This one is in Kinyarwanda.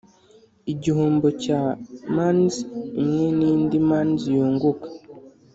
igihombo cya mans imwe nindi mans yunguka